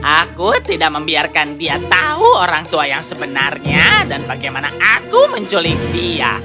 aku tidak membiarkan dia tahu orang tua yang sebenarnya dan bagaimana aku menculik dia